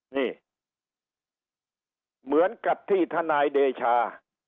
นี่เหมือนกับที่ทนายเดชา